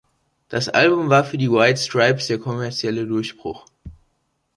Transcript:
Das Album war für die White Stripes der kommerzielle Durchbruch.